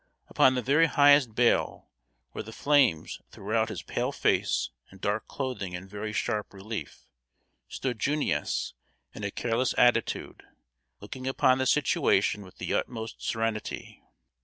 Upon the very highest bale, where the flames threw out his pale face and dark clothing in very sharp relief, stood "Junius," in a careless attitude, looking upon the situation with the utmost serenity.